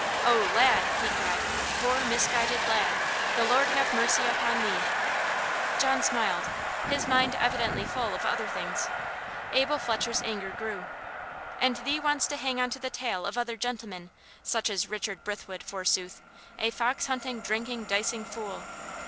"Oh, lad!" he cried; "poor, misguided lad! the Lord have mercy upon thee!" John smiled his mind evidently full of other things. Abel Fletcher's anger grew. "And thee wants to hang on to the tail of other 'gentlemen,' such as Richard Brithwood, forsooth! a fox hunting, drinking, dicing fool!"